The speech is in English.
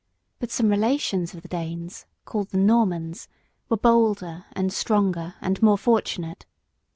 But some relations of the Danes, called the Normans, were bolder and stronger and more fortunate.